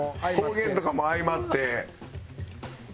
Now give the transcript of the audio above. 方言とかも相まって。